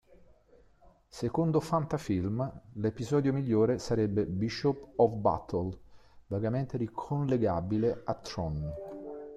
Secondo Fantafilm l'episodio migliore sarebbe "Bishop of Battle", "vagamente ricollegabile a Tron".